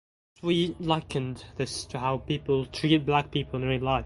Sweet likened this to how people treat Black people in real life.